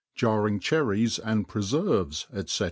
JARRINQ CHERRIES, AND PRESERVElB, be.